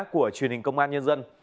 của truyền hình công an nhân dân